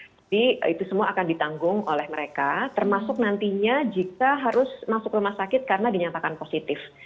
jadi itu semua akan ditanggung oleh mereka termasuk nantinya jika harus masuk rumah sakit karena dinyatakan positif